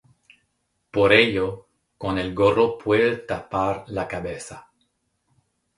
Por ello, con el gorro puede tapar la cabeza.